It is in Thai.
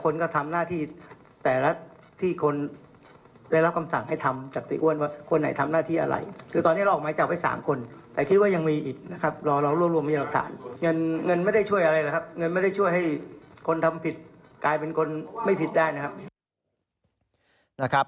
เงินไม่ได้ช่วยให้คนทำผิดกลายเป็นคนไม่ผิดได้นะครับ